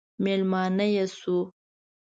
مېلمانه یې شو.